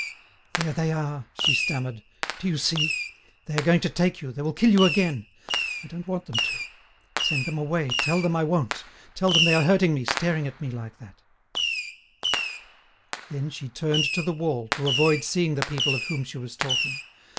"There they are!" she stammered. "Do you see? They are going to take you, they will kill you again. I don't want them to—Send them away, tell them I won't; tell them they are hurting me, staring at me like that—" Then she turned to the wall, to avoid seeing the people of whom she was talking.